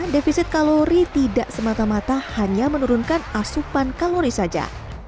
defisit kalori tidak semata mata hanya menurunkan asupan kalori saja